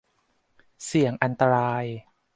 เสี่ยงอันตราย